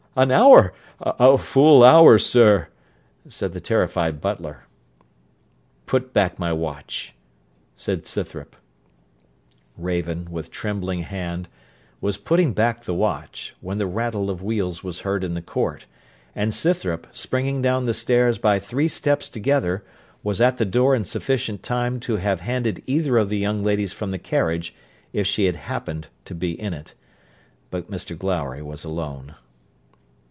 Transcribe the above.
'An hour, a full hour, sir,' said the terrified butler. 'Put back my watch,' said Scythrop. Raven, with trembling hand, was putting back the watch, when the rattle of wheels was heard in the court; and Scythrop, springing down the stairs by three steps together, was at the door in sufficient time to have handed either of the young ladies from the carriage, if she had happened to be in it; but Mr Glowry was alone.